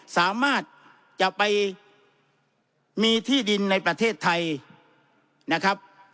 สามารถจะไปมีที่ดินในประเทศไทยนะครับ